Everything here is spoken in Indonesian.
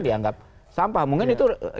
dianggap sampah mungkin itu